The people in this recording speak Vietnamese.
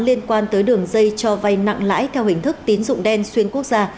liên quan tới đường dây cho vay nặng lãi theo hình thức tín dụng đen xuyên quốc gia